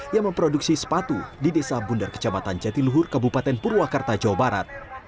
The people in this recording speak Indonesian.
yang memproduksi sepatu di desa bundar kecamatan jatiluhur kabupaten purwakarta jawa barat